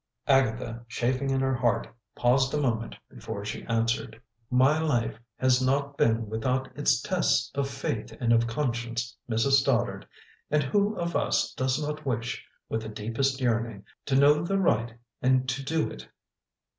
Agatha, chafing in her heart, paused a moment before she answered: "My life has not been without its tests of faith and of conscience, Mrs. Stoddard; and who of us does not wish, with the deepest yearning, to know the right and to do it?"